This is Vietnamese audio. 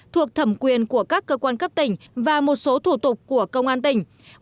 thuộc thẩm quyền của các cơ quan cấp tỉnh và một số thủ tục của công an tỉnh